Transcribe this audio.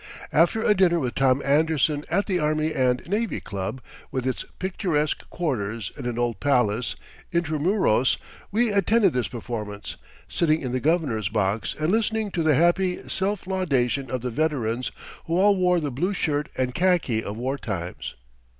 After a dinner with Tom Anderson at the Army and Navy Club, with its picturesque quarters in an old palace, intramuros, we attended this performance, sitting in the Governor's box and listening to the happy self laudation of the "veterans," who all wore the blue shirt and khaki of war times.